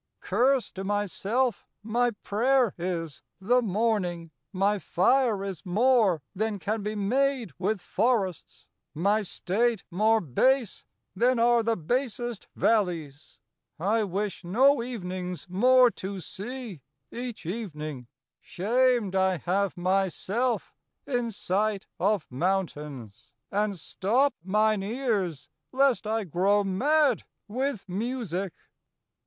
Klaius. Curse to my selfe my prayer is, the morning : My fire is more, then can be made with forrests ; My state more base, then are the basest vallies : I wish no evenings more to see, each evening \ Shamed I have my selfe in sight of mountaines , And stoppe mine eares, lest I growe mad with Musicke